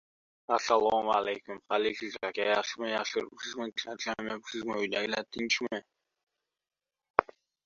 Endi qo‘shni davlatlarda o‘qiyotganlar o‘qishini imtihonsiz va bepul ko‘chirishi mumkin